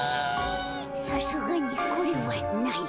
さすがにこれはない。